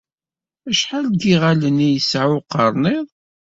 Acḥal n yiɣallen ay yesɛa uqerniḍ?